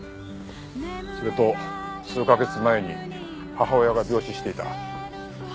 それと数カ月前に母親が病死していた。